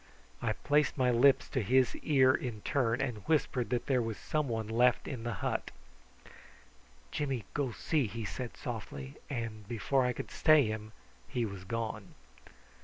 I placed my lips to his ear in turn and whispered that there was some one left in the hut. "Jimmy go see," he said softly; and before I could stay him he was gone.